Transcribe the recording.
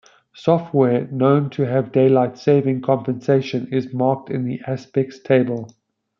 Software known to have daylight-saving compensation is marked in the Aspects table.